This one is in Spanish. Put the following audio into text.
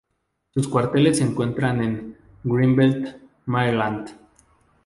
Sus cuarteles se encuentran en Greenbelt Maryland.